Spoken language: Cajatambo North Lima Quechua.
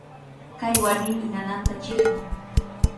Kay warmimi nananta chiqnin.